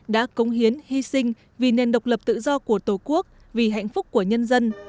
đã cống hiến hy sinh vì nền độc lập tự do của tổ quốc vì hạnh phúc của nhân dân